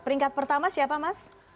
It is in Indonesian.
peringkat pertama siapa mas